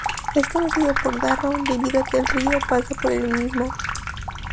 Es conocido por Darro, debido a que el río pasa por el mismo.